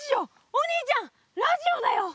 お兄ちゃんラジオだよ！